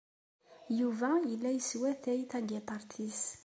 Yuba yella yeswatay tagiṭart-nnes.